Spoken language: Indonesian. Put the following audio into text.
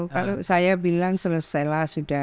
kalau saya bilang selesailah sudah